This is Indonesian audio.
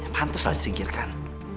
pantes lah disingkirkan